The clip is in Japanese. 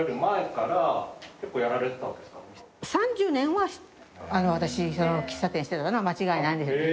３０年は私喫茶店してたのは間違いないんですよね